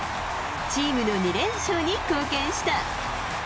チームの２連勝に貢献した。